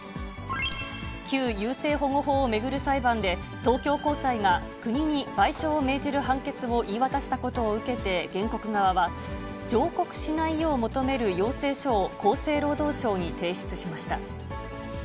旧優生保護法を巡る裁判で、東京高裁が、国に賠償を命じる判決を言い渡したことを受けて原告側は、上告しないよう求める要請書を、厚生労働省に提出しました。